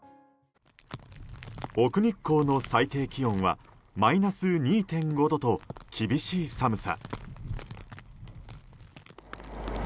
奥日光の最低気温はマイナス２．５度と厳しい寒さ。